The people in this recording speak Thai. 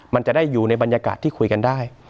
มันจะได้อยู่ในบรรยากาศที่คุยกันได้